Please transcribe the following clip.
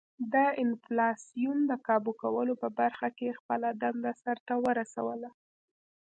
د انفلاسیون د کابو کولو په برخه کې خپله دنده سر ته ورسوله.